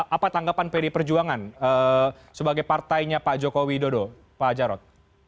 apa tanggapan pd perjuangan sebagai partainya pak joko widodo pak jarod